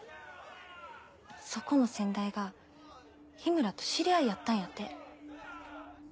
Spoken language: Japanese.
そこの先代が緋村と知り合いやったんやて。